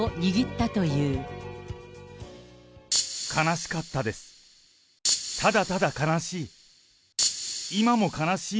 ただただ悲しい。